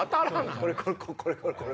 これこれこれこれ。